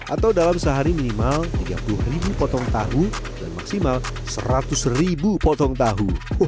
atau dalam sehari minimal tiga puluh potong tahu dan maksimal seratus buah